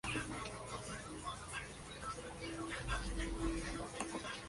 Desde tiempo inmemorial las tumbas han sido saqueadas.